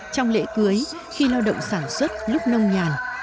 trong lễ cưới khi lao động sản xuất lúc nông nhàn